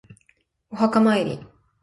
お墓参り